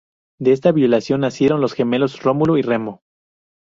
De esta violación nacieron los gemelos Rómulo y Remo.